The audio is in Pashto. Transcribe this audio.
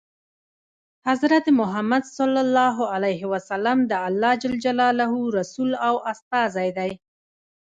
حضرت محمد ﷺ د الله ﷻ رسول او استازی دی.